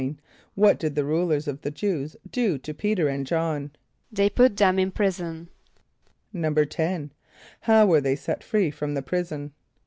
= What did the rulers of the Jew[s+] do to P[=e]´t[~e]r and J[)o]hn? =They put them in prison.= =10.= How were they set free from the prison?